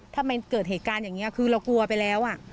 ถ้าเกิดเหตุการณ์อย่างนี้คือเรากลัวไปแล้ว